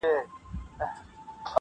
ممتاز به نوري کومي نخښي د تیرا راوړلې,